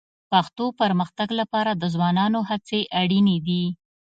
پښتو پرمختګ لپاره د ځوانانو هڅې اړیني دي